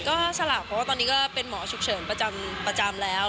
ก็สลับเพราะว่าตอนนี้ก็เป็นหมอฉุกเฉินประจำแล้ว